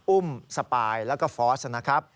อุ้มสปายแล้วก็ฟอสนะครับ